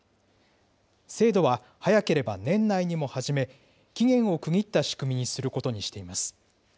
制度は早ければ年内にも始め、期限を区切った仕組みにすることにしています。